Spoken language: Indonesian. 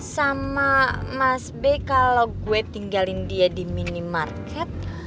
sama mas b kalau gue tinggalin dia di minimarket